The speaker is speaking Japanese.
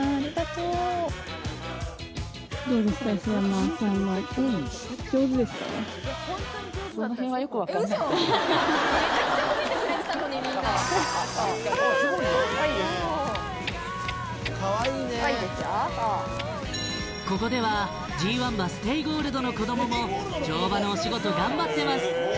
そうここではＧ１馬ステイゴールドの子どもも乗馬のお仕事頑張ってます